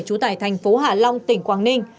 trú tại thành phố hà long tỉnh quảng ninh